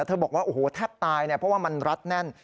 บอกว่าโอ้โหแทบตายเนี่ยเพราะว่ามันรัดแน่น